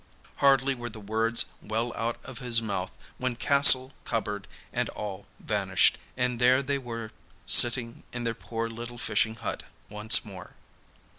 Hardly were the words well out of his mouth, when castle, cupboard, and all vanished, and there they were sitting in their poor little fishing hut once more.